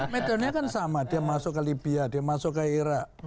metonnya kan sama dia masuk ke libya dia masuk ke irak